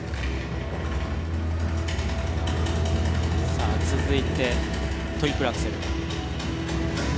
さあ続いてトリプルアクセル。